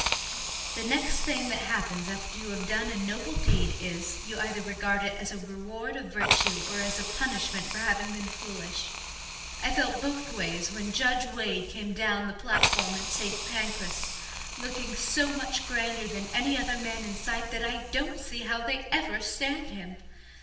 The next thing that happens after you have done a noble deed is, you either regard it as a reward of virtue or as a punishment for having been foolish. I felt both ways when Judge Wade came down the platform at St. Pancras, looking so much grander than any other man in sight that I don't see how they ever stand him.